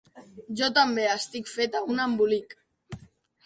Jo també estic feta un embolic.